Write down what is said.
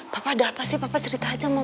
bapak ada apa sih bapak cerita aja sama mama